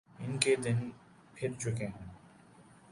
ان کے دن پھر چکے ہیں۔